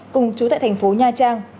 cùng chú tại thành phố nha trang